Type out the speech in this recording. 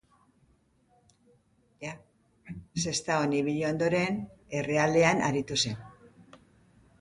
Sestaon ibili ondoren, Errealean aritu zen.